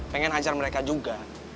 pengen hajar mereka juga